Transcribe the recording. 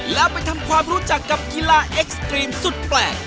แล้วไปทำความรู้จักกับกีฬาเอ็กซ์ตรีมสุดแปลก